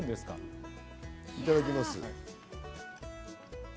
いただきます。